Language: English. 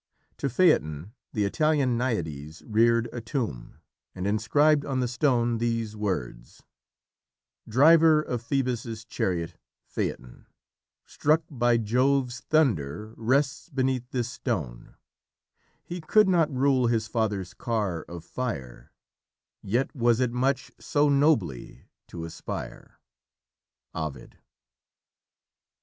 To Phaeton the Italian Naiades reared a tomb, and inscribed on the stone these words: "Driver of Phœbus' chariot, Phaëton, Struck by Jove's thunder, rests beneath this stone, He could not rule his father's car of fire, Yet was it much, so nobly to aspire." Ovid.